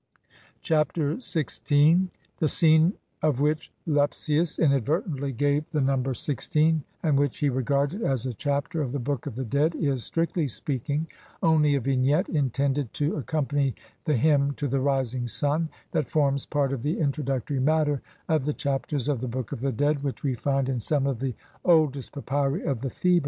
Chapter XVI. [From the Papyrus of Ani (Brit. Mus. No. 10,470, sheet 2).] The scene to which Lepsius inadvertently gave the number XVI and which he regarded as a Chapter of the Book of the Dead is, strictly speaking, only a vignette intended to accom pany the hymn to the rising Sun that forms part of the intro ductory matter to the Chapters of the Book of the Dead which we find in some of the oldest papyri of the Theban period.